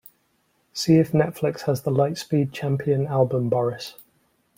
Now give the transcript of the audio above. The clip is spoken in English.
See if Netflix has the Lightspeed Champion album boris